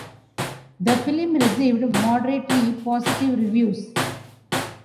The film received moderately positive reviews.